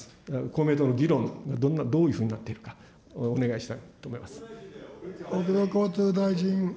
公明党の議論、どういうふうになっているか、お願いしたいと思います。